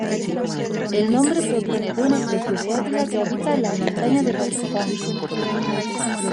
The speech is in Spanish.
El nombre proviene de una especie de águila que habita las montañas de Pakistán.